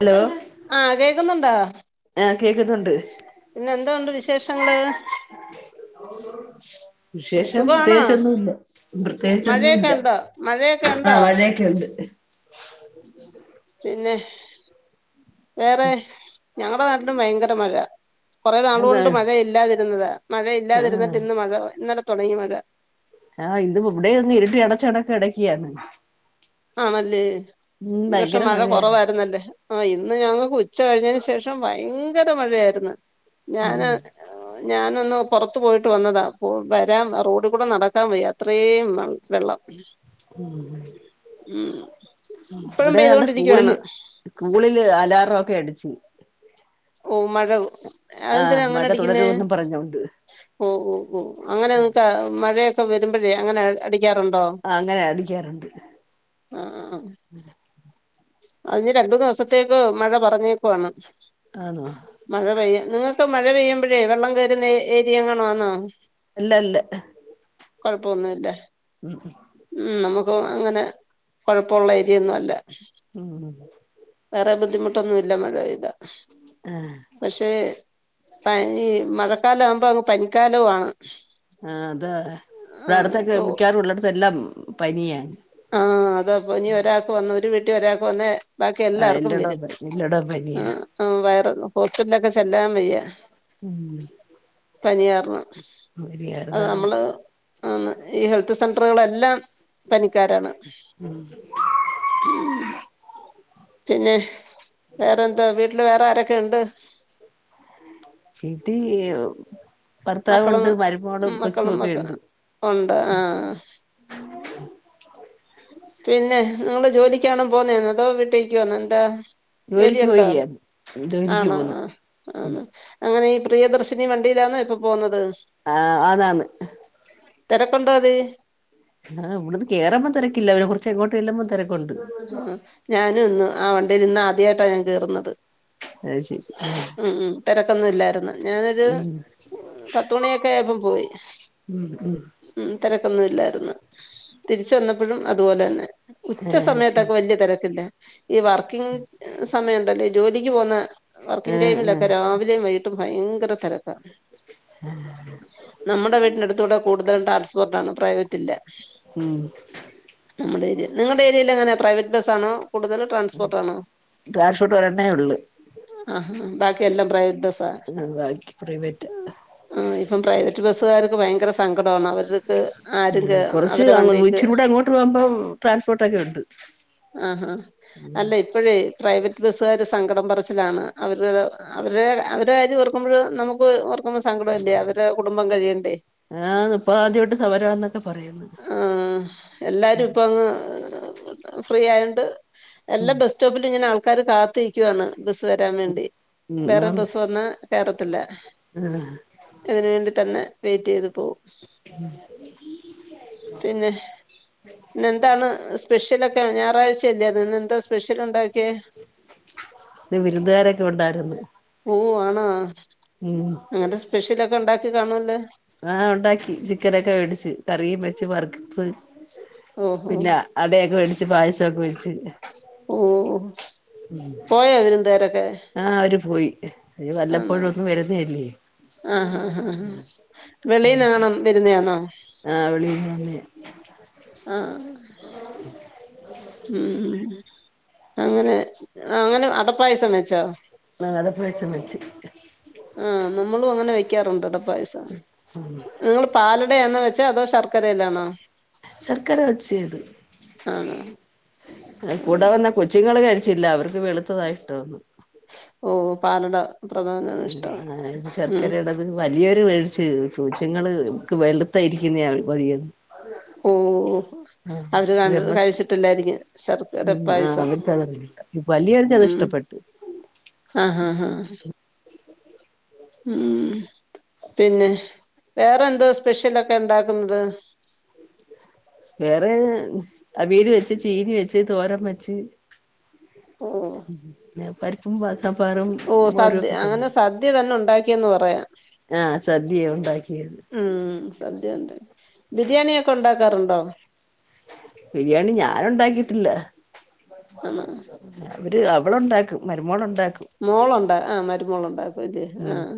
Hello ആഹ കേക്കുന്നുണ്ടോ ആഹ് കേക്കുന്നുണ്ട് പിന്നെ എന്താണ്ട് വിശേഷങ്ങള് വിശേഷം സുഖാണോ പ്രത്യേകിച്ചൊന്നുമല്ല മഴയൊക്കെ പ്രത്യേകിച്ചൊന്നുമല്ല ഉണ്ടോ മഴയൊക്കെ ആ ഉണ്ടോ മഴയൊക്കെ ഉണ്ട് ശ്ഹ് പിന്നെ വേറെ ഞങ്ങളുടെ നാട്ടിലും ഭയങ്കര മഴ കുറെ നാള കൊണ്ട് അതാണ് മഴ ഇല്ലാതിരുന്നത് മഴ ഇല്ലാതിരുന്നിട്ട് ആഹ് ഇന്ന് മഴ ഇന്നലത്തെ തുടങ്ങി വരാ ആഹ് ഇത് ഇവിടെ ഒന്ന് ഇരിട്ട് അടച്ചണക്ക ഇടക്കിയാണ് ആണല്ലേ ഈ വർഷം മഴ മഴയായിരുന്നു കൊറവായിരുന്നല്ലേ ആ ഇന്ന് ഞങ്ങൾക്ക് ഉച്ച കഴിഞ്ഞതിന് ശേഷം ഭയങ്കര മഴയായിരുന്നു ഞൻ ഞാനൊന്ന പുറത്തു പോയിട്ട് വന്നതാ വരാൻ റോഡ് കൂടെ നടക്കാൻ വയ അത്രയും വെള്ളം ഉം ഉ ഇവിടെ നണ്ട് സ്കൂളില് സ്കൂളില് അലാറം ഒക്കെ അടിച്ച് ഓ മത അതെന്തിനാ ആഹ് അങ്ങനെ മഴ അടിക്കുന്ന തുടരുമെന്നും പറഞ്ഞോണ്ട് ഓ ഓ ഓ അങ്ങനെ മഴയ വരുമ്പോഴേ അങ്ങനെ അടിക്കാറുണ്ടോ ആഹ് അങ്ങനെ അടിക്കാറുണ്ട് ആ അതിന് രപ ദിവസത്തേക്ക് മഴ പറഞ്ഞേക്കുവയാണ് ആന്നോ മഴ പെയ്യ നിങ്ങ ഇപ്പൊ മഴ പെയ്യുമ്പൊഴേ വെള്ളം കേരുന്നെ ഏരിയ എങ്ങാണു ആന്നാ ഇല്ല ഇല്ല കൊഴപ്പൊന്നുവില്ല ഉം [unintelligible] അങ്ങനെ കൊഴപ്പവുള്ള ഏരിയൊന്നുവല്ല. വേറെ ബുദ്ധിമുട്ടൊന്നുവില്ല മഴപെയ്ത പക്ഷേ പനി മഴക്കാലാവുമ്പോ അങ്ങ് പനിക്കാലവുവാണ്. ആ അതാ ഇവിടുത്തൊക്കെ ഇപ്പൊ മിക്കവാറും ഉള്ളടത്തെല്ലാം പനിയ. ആ അതാ പനി ഒരാൾക്ക് വന്ന ഒരു വീട്ടി ഒരാൾക്ക് വന്നാ ബാക്കി ആഹ് എല്ലാവർക്കും വരും എല്ലാടോം എല്ലാടോം പനിയാ ആ വൈറല ഹോസ്പിറ്റലിലൊക്കെ ചെല്ലാൻ വെയ്യാ ഉം പനിയാർണം അത് നമ്മള് ഈ ഹെൽത്ത് സെന്ററുകളൾ എല്ലാം കാരാണ് [unintelligible] പിന്നെ വേറെന്താ വീട്ടില് വേറെ ആരൊക്കെയുണ്ട് വീട്ടിൽ മക്കളും ഭർത്താവുണ്ട് മരുമോളു മക്കളും മക്ക കൊച്ചുമൊക്കെയിണ്ട്. ഉണ്ട് ആഹ് പിന്നെ നിങ്ങള് ജോലിക്കാണോ പോവുന്നേന്ന് അതോ വീട്ടിനിക്കാണോ എന്താ ജോലിക്ക് ജോലിയുണ്ടോ പോയിയാ ജോലിക്ക് ആണോ പോന്ന് ആ ആ അങ്ങനെയിപ്പം പ്രിയദർശിനി വണ്ടിയിലാണോ ഇപ്പൊ പോവുന്നത്. ആ ആന് ആന്ന് തിരക്കുണ്ടോ അതിൽ ആ ഇവ്ട്ന്ന് കേ ആ ഞാനും ഇന്ന് ആ വണ്ടയിലിന്ന് ആദ്യായിട്ടാ ഞാൻ കേറുന്നത്. ശൺ [unintelligible] ഉം ഉം തെരക്കൊന്നുവില്ലായ്ർന്ന് ഞാനൊരു പത്തുമണിയൊക്കെ ആയപ്പം പോയി. ഉം തെരക്കൊന്നുവില്ലായർന്ന് തിരിച്ച് ആ വന്ന ശരി സമയത്തൊക്കെ വല്യ തെരക്കില്ല ഈ വർക്കിങ് സമയണ്ടല്ലേ ഈ ജോലിക്ക് പോവുന്ന ആ വർക്കിങ് ആ ടൈമിലൊക്കെ രാവിലെയും വൈകിട്ടും ഭയങ്കര തെരക്കാ. നമ്മുടെ വീട്ടിനടുത്തൂടെ കൂടുതലും ട്രാൽസ്പോർട്ടാണ് പ്രൈവറ്റില്ല ഉം [inaudible] നിങ്ങടെ ഏ ര്യയിലെങ്ങനാ പ്രൈവറ്റ് ബസ്സാണോ കൂടുതല് ട്രാൻസ്പോർട്ടാണോ ട്രാൻസ്പോർട്ട് ഒരെണ്ണേ ഉള്ളു ആഹ ബാക്കി എല്ലാം പ്രൈവറ്റ് ബസ് ആ ബാക്കി പ്രൈവറ്റ് ആ ഇപ്പം പ്രൈവറ്റ് ബസ്സ്കാര് സങ്കടവാണ് അവർക്ക് ആരും കേ കുറച്ച് അവരടെ വണ്ടീക്ക് ഇച്ചിരി കൂടെ അങ്ങോട്ട് പോകുമ്പം ട്രാൻസ്പോർട്ട് ഒക്കെ ഉണ്ട് ആഹാ അല്ല ഇപ്പോഴേ പ്രൈവറ്റ് ബസ്സുകാര് സങ്കടം പറച്ചിലാണ് അവരൊരു അവരെ അവരെ കാര്യം ഓർക്കുമ്പോഴ നമുക്ക് ഓർ കുമ്പോ സങ്കടവല്ലേ അവരെ കുടുംബം കഴിയണ്ടേ. ആന്ന് ഇപ്പ ആദ്യമായിട്ട് സമരമാന്നൊക്കെ പറയുന്നു ആഹ എല്ലാരും ഇപ്പ അങ്ങ് ഫ്രീ ആയോണ്ട് എല്ലാ ബസ്സ്റ്റോപ്പിലും ഇങ്ങനെ ആൾക്കാര് കാത്തിരിക്കുവാണ് ബസ്സ് വരാൻ വേണ്ടി ഉം വേറെ ആന്ന് ബസ് വന്നാ കേറത്തില്ല ആ അതിന് വേണ്ടി തന്നെ വെയിറ്റ് ചെയ്തു [unintelligible] പിന്നെ പിന്നെന്താണ് സ്പെ ഷ്യലൊക്കെ ഞായറാഴചയല്ലേയത് ഇന്ന് എന്താ സ്പെഷ്യലുണ്ടാ ന്ന് വിരുന്നുകാരൊക്കെ ഉണ്ടായിരുന്ന് ഓ ആണാ അങ്ങനത്തെ സ്പെഷ്യലൊക്കെ ഉണ്ടാക്കി കാണുവല്ലോ ആ ഉണ്ടാക്കി ചിക്കനൊക്കെ മേടിച്ച് കറിയും വെച്ച് വറുക്കത്ത് ഓഹോ പിന്നെ അടയൊക്കെ മേടി പായസൊക്കെ വെച്ച് പോയ വിരുന്ന് കാരൊക്കെ ആ അവര് പോയി അ ആണോ വല്ലപ്പോഴും ഒന്നും വരുന്നല്ലേ ആഹ് ആ ആ വെളി നണം വരുന്നതാണോ ആവിളി തന്നെ ആഹ ഉം അങ്ങനെ അങ്ങനെ അടപ്പായസ വെച്ചോ [unintelligible] ആ നമ്മളും അങ്ങനെ വെക്കാറുണ്ട് അട പായസ നിങ്ങള് പാലടയാ വെച്ച അതോ ശർ ർക്കര വച്ച ആണോ ആഹ് കൂടെ വന്ന കൊച്ചുങ്ങള്ൾ കഴിച്ചില്ല അവർക്ക് വെളുത്തതായിട്ട് ഓ പാലട പ്രധാനാണ് ഇഷ്ടം ആ ഇത് ഉം ശർക്കാരടത് വലിയൊരു മേടിച്ച് കൊച്ചുങ്ങള്ക്ക് വെ യിരിക്കുന്ന പറയ ഓഹ് അവര് കണ്ട് കഴിച്ചിട്ടില്ലായിരിക്കും ശർക്കര പായസം [unintelligible] വലിയർക്ക അത് ഉം ഇഷ്ടപ്പെട്ടു ആഹ് ആഹ് ആഹ് ഉം പിന്നെ വേറെ എന്തോ സ്പെഷ്യലൊക്കെ ഉണ്ടാക്കുന്നത് വേറെ വീട് വെച്ച് ചീനി വെച്ച് തോരം വെച്ച് ഓഹ് പരിപ്പും പാ ഓ സദ്യ അങ്ങനെ സദ്യ തന്നെ ഉണ്ടാക്കിയന്ന് പറയാം ആഹ് സദ്യയാ ഉണ്ടാക്കിയത് ഉം സദ്യണ്ട് ബിരിയാണിയൊക്കെ ഉണ്ടാക്കാറുണ്ടോ ബിരിയാണി ഞാന് ഉണ്ടാക്കിയിട്ടില്ല ആണോ അവര് അവള് ഉണ്ടാക്കും മരുമോള് മോളുണ്ട് ആ മരുമോളുണ്ട് അതെ ഉം ആഹ്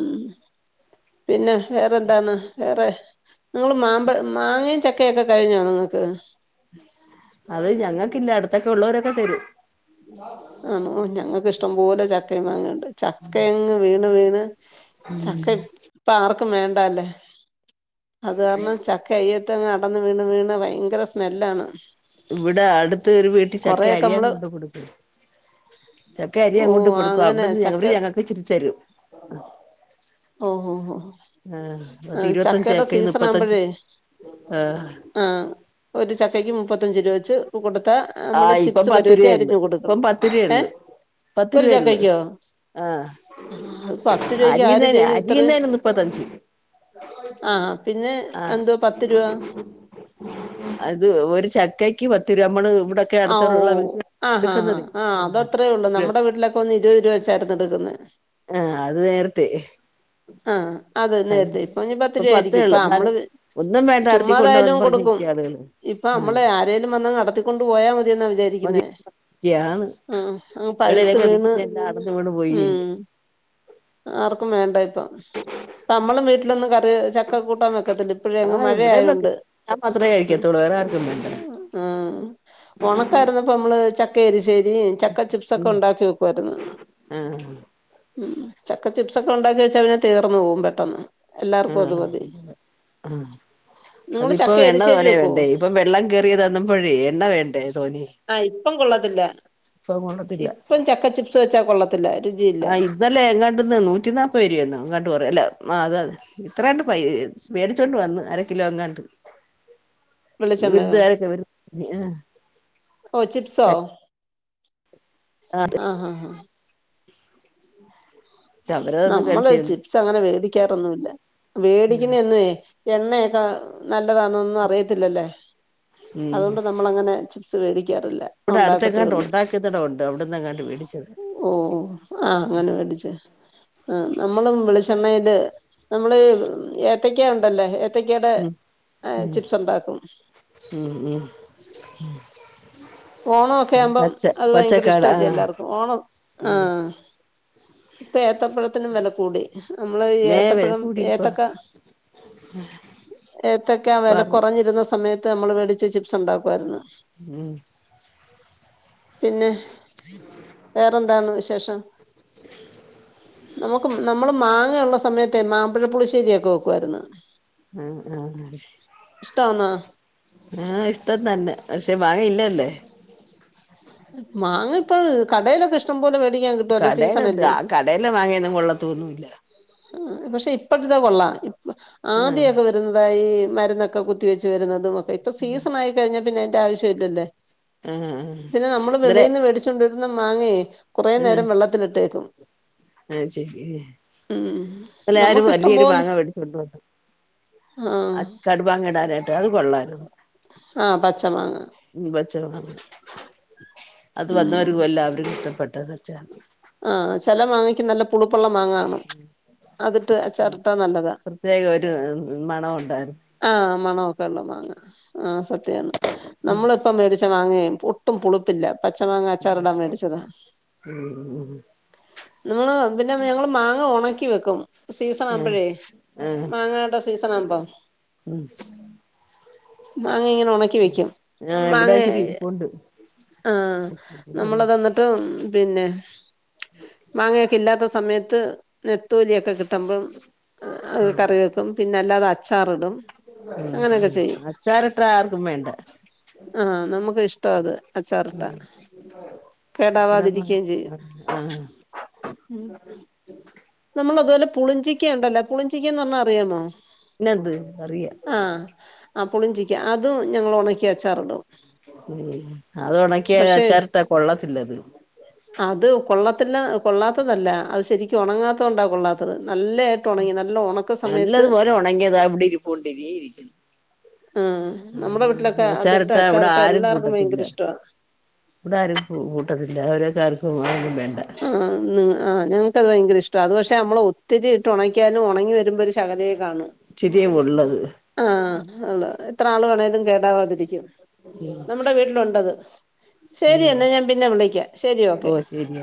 ഉം പിന്നെ വേറെന്താണ് വേറെ നിങ്ങള് മാമ്പഴ മാങ്ങയും ചക്കൊക്കെ കഴിഞ്ഞോ നിങ്ങൾക്ക് അത് ഞങ്ങൾക്കില്ല അടുത്തൊക്കെ ഉള്ളവരൊക്കെ തരും ആണോ ഞങ്ങൾക്ക് ഇഷ്ടം പോലെ ചക്കയും മാങ്ങേണ്ട് ചക്ക എങ്ങ് വീണ് വീണ് ചക്ക പാർ ക്കും വേണ്ടല്ലേ അത് കാരണം ചക്ക ഇങ് അടന്ന് വീണ് വീണ് ഭയങ്കര സ്മെല്ലാണ് ഇവിടെ അടുത്ത ഒരു വീട്ടിൽ ചക്ക കൊറെയൊക്കെ അരിയാൻ നമ്മള് കുടു കൊടുക്കും ചക്കെ അരി ഓ അങ്ങോട്ട് കൊടുക്കും അങ്ങനെ അവിടന്ന് ഞങ്ങ ചക്ക ഞങ്ങൾക്ക് ചിരി തരും ശ്ഹ് ഓഹോ ഓ ഇരുപത്തഞ്ച് ചക്കയുടെ ചക്കയും സീസൺ മുപ്പത്തഞ്ച് ആവുമ്പോഴേ ആഹ് ആഹ് ഒരു ചക്കയ്ക്ക് മുപ്പത്തഞ്ച് രൂപ വെച്ച് കൊട് ആഹ് ഇപ്പ പത്ത് രൂപ ഉണ്ട് ഇപ്പം പത്ത് രൂപ ഏ ഉണ്ട് പത്ത് ഒരു രൂപ ഉള്ള് ചക്കയ്ക്കോ ആഹ് ആ അത് പത്ത് [unintelligible] രൂപയ്ക്ക് ആര് ചെയ്യും ഇത്രയും അരിഞ്ഞേന് മുപ്പത്തഞ്ച് ആ പിന്നെ ആ എന്തോ പത്ത് രൂപ അത് ഒരു ചക്കക്ക് പ ഓ ആഹ് ആ ആ ആഹ് അതത്രേ ഉള്ളു നമ്മുടെ വീട്ടിലൊക്കെ ഒന്ന് ഇരുപത് രൂപ വെച്ചായിർന്ന് എടുക്കുന്നത് ആ അത് നേരത്തെ ആഹ് അതെ നേരത്തെ ഇപ്പൊ പത്ത് രൂപ പത്തേ ആായിരിക്കും ഇപ്പ ഉള്ളൂ എന്നാലും നമ്മള് ഒന്നും വേണ്ട നടത്തി ചുമ്മാതായാലും കൊണ്ടുപോവാന്ന് കൊടുക്കും പറഞ്ഞിരിക്ക ആളുകള് ഇപ്പ ആ നമ്മള് ആരേലും വന്ന് നട കൊണ്ട് പോയാൽ മതി എന്ന മതി വിചാരിക്കുന്നേ ആ പഴുത്ത് വീണ് എല്ലാ അട്ന്ന് വീണ് പോയിേ ഉം ആർക്കും വേണ്ട ഇപ്പ നമ്മളും വീട്ടിലൊന്ന് കറി ചക്ക കൂട്ടാൻ വെക്കത്തില്ല ഇപ്പോഴ ആ അങ്ങ് ഇവിടെ മഴയായോണ്ട് ഞാൻ മാത്രേ കഴിക്കത്തോള്ളൂ വേറെ ആർക്കൊന്നും വേണ്ട ഉണക്കായിരുന്നപ്പോ നമ്മള് ചക്കരി ശ ചക്ക ചിപ്സ് ഒക്കെ ഉം ഉണ്ടാക്കി വെക്കുവായിരുന്നു ആ ഉം ചക്ക ചിപ്സ് ഒക്കെ ഉണ്ടാക്കി വെച്ചാ വെ തീർന്നു പോവും പെട്ടെന്ന് എല്ലാർക്കും അത് ആഹ് മതി ആ ആഹ് നിങ്ങള് അതിപ്പോ ചക്ക എണ്ണ എരിശ്ശേരി തോനെ വെക്കോ വേണ്ടേ ഇപ്പം വെള്ളം കേയറിയത് തന്ന്പഴേ എണ്ണ വേണ്ടേ തോന്നെ അല്ല ഇപ്പൊ കൊള്ളത്തില്ല കൊള്ളത്തില്ല രുചിയില്ല ആ ഇതല്ലേ കണ്ടിന്ന് നൂറ്റി നാപ്പത് രൂപേന്നോ കണ്ട ല്ല ആ അതെ അതെ ഇത്രണ്ട് പൈ മേടിച്ചോണ്ട് വന്ന് അരക്കിലോ എങ്ങാണ്ട് വെളിച്ചെണ്ണയോ വിരുദാരൊക്കെ ആ ഓ ചിപ്സോ ആഹ് ഹ ഹ അവരതൊന്നും നമ്മള് കഴിച്ചേന്ന് ചിപ്സ് അങ്ങനെ വേടിക്കാറൊന്നുല്ല വേടിക്കുന്ന എന്നുവേ എണ്ണയൊക്കെ നല്ലതാണൊന്നും അറിയത്തില്ലല്ലേ ഉം അതുകൊണ്ട് നമ്മള് അങ്ങനെ ചി [unintelligible] ഇവിടെ ണ്ടാക്കത്ത അടുത്തെങ്ങാണ്ട് ഉള്ളു ഉണ്ടാക്കുന്നിടം ഉണ്ട് അവിടന്നെങ്ങാണ്ട് മേടിച്ചത് ഓഹ് ആഹ് അങ്ങനെ പഠിച്ച ആഹ് നമ്മളും വെളിച്ചെണ്ണയില് നമ്മള് ഏത്തക്ക ഉണ്ടല്ലേ ഏ ത്തക്ക്യേടെ ഉം ഉം ചിപ്സ് ഉണ്ടാക്കും. ഉം ഉം ഓണോക്കെ ആവുമ്പം പച്ച അത് ഭയങ്കര പച്ചക്കാട ഇഷ്ടല്ലെ ആ എല്ലാർക്കും ഓണം. ഉം ആഹ് ഇപ്പൊ ഏത്തപ്പഴത്തിനും വില കൂടി. അമ്മള് ഇ നേ വില ഏത്തപ്പഴം കൂടി ഇപ്പൊ ഏത്തക്ക ഏത്തക്കാ വില വറവ് കുറഞ്ഞിരുന്ന സമയത്ത് നമ്മൾ വേടിച്ച് ചിപ്സ് ഉണ്ടാക്കു ആയിരുന്നു. ഉം പിന്നെ വേറെന്താണ് വിശേഷം? നമുക്ക് നമ്മള് മാങ്ങ ഉള്ള സമയത്തെ മാമ്പഴപ്പുളിശ്ശേരിയൊക്കെ വെക്കു ആയിരുന്നു. ആ ഇഷ്ടാന്നാ ഏഹ് ഇഷ്ടം തന്നെ പക്ഷെ മാങ്ങ ഇല്ലല്ലേ. മാങ്ങ ഇപ്പോ കടയിലൊക്കെ ഇഷ്ടം പോലെ വെ കടേല്ണ്ട് ആഹ് കടേലെ മാങ്ങയൊന്നും കൊള്ളത്തൊന്നുംല്ല. ഉം പക്ഷെ ഇപ്പൾത്ത്ത്തെ കൊള്ളാം. ആ ആദ്യൊക്കെ വരുന്നതായി ഈ മരുന്നൊക്കെ കു കത്തി വെച്ച് വരുന്നതും ഒക്കെ ഇപ്പ സീസൺ ആയി കഴിഞ്ഞാ പിന്നെ അയിന്റെ ആവശ്യം ഇല്ല ല്ലേ. ആഹ് ആഹ് പിന്നെ നമ്മള് വെളയിൽന്ന് മേടിച്ചോണ്ടോരുന്ന മാങ്ങയെ കുറേ എഹ് നേരം വെള്ളത്തിലിട്ടേക്കും ആഹ് ശരി ഉം ന്നെലെ യാരു നമുക്ക് ഇഷ്ടം വലിയൊരു പോലെ മാങ്ങ വേടിച്ചോണ്ടു വന്നു. ആഹ് അച് കടുമാങ്ങ ഇടാനായിട്ട് അത് കൊള്ളാര് ആഹ് പച്ച മാങ്ങ ഉം പച്ച [unintelligible] അത് വന്നവരു ഉം എല്ലാവരുക്കു ഇഷ്ട്ടപെട്ട [unintelligible] ച്ച് നല്ല പുളു അച്ചാറിട്ടാ നല്ലതാ പ്രത്യേക ഒരു മണൊ ഉണ്ടായിരുന്നു. ആഹ് മണോ പള്ള മാങ്ങ ആഹ് സത്യാണ്. നമ്മളിപ്പ മേടിച്ച വാങ്ങേ ഒട്ടും പുളിപ്പില്ല. പച്ച മാങ്ങ അച്ചാറ് ടാം മേടിച്ചതാ. നമ്മള് പിന്നെ ഞങ്ങള് മാങ്ങ ഉണക്കി വെക്കും സീസൺ ആഹ് ആവുമ്പോഴേ ആഹ് മാങ്ങാനണ്ട സീസൺ ആവുമ്പോ മാങ്ങ ഇങ്ങനെ ഉണക്കി വെക്കും ആഹ് ഇവിടെ മാങ്ങ ഇച്ചിരി ഇരിപ്പുണ്ട് ആഹ് ആഹ് നമ്മള എനിട്ട് പിന്നെ മാങ്ങയൊക്കെ ഇല്ലാത്ത സമയത്ത് നെത്തോലിയൊക്കെ കി ട്ടുമ്പും അയ് കറി വെക്കും പിന്നെ അല്ലാത അ ഉം അച്ചാറിട്ട ആർക്കും വേണ്ട ആഹ് നമ്മുക്ക് ഇഷ്ട്ടാ അത് അച്ചാറിട്ട ഇവിടെങ്ങ കേടാവാതിരിക്കുകയും ചെയ്യും ആഹ് ഉം നമ്മൾ അതുപോലെ പുളിഞ്ചിക്ക ഉണ്ടല്ലോ പുളിഞ്ചിക്ക എന്ന് പറഞ്ഞാൽ അറിയാമോ പിന്നെ അത് അറിയാ ആഹ് ആ പുളിഞ്ചിക്ക അതും ഞങ്ങൾ ഉണക്കി അച്ചാറ് ഇടും ഉം അത് ഉണക്കിയ പക്ഷെ അച്ചാരിട്ടാ കൊള്ളത്തില്ലത് അത് കൊള്ളത്തില്ല കൊള്ളാത്തതല്ല അത് ശരിക്കും ഉണങ്ങാത്തത് കൊണ്ടാണ് കൊള്ളാത്തത് നല്ലതായിട്ട് ഉണങ്ങി നല്ല ഉണക്ക സമയത്ത് നല്ലതുപോലെ ഉണങ്ങിയതാ ഇവിടെ ഇരിപ്പുണ്ട് ഇതേ ഇരിക്കുന്നു ആഹ് നമ്മുടെ വീട്ടിലൊക്കെ അതിട്ട് അച്ചാറിട്ടാ ഇവിടെ അച്ചാറിട്ട ആരും എല്ലാവർക്കും കൂട്ടത്തില്ല ഭയങ്കര ഇഷ്ടവാ ഇവിടെ ആരും കൂട്ടത്തില്ല അവരെ ആഹ് ആഹ് ഞങ്ങക്കത് ഭയങ്കര ഇഷ്ട്ടാ അത് പക്ഷെ നമ്മളെ ഒ തിരിട്ട ഉണയ്ക്കാലും ഉണങ്ങി വരുമ്പോ ഒരു ശകലെ ഇച്ചിരിയേ ഉള്ളത് ആ ഉള്ള എത്ര നാള് വേണേലും കേടാവാതിരിക്കും നമ്മുടെ വീട്ടിലുണ്ടത് ശരി എന്നെന്നാ ഞാൻ പിന്നെ വിളിക്കാം ശരി ഓക്കെ പിന്നെ